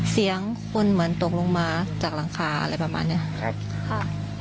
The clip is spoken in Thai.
เสียงคนเหมือนตกลงมาจากหลังคาอะไรประมาณเนี้ยครับค่ะ